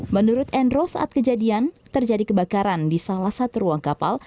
menurut endro saat kejadian terjadi kebakaran di salah satu ruang kapal